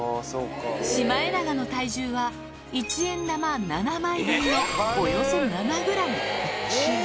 シマエナガの体重は、一円玉７枚分のおよそ７グラム。